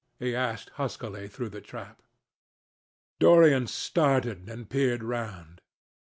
he asked huskily through the trap. Dorian started and peered round.